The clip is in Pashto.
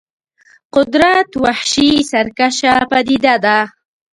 قدرت وحشي سرکشه پدیده ده.